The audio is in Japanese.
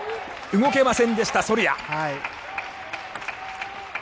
動けませんでしたソルヤ。